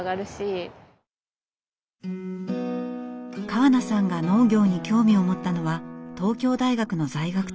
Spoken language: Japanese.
川名さんが農業に興味を持ったのは東京大学の在学中。